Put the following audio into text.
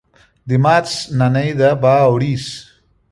Dimarts na Neida va a Orís.